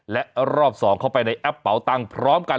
และรอบ๒เข้าไปในแอปเป๋าตังค์พร้อมกัน